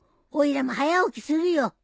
おいらも早起きするよ。